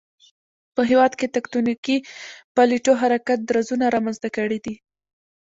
په هېواد کې تکتونیکی پلیټو حرکت درزونه رامنځته کړي دي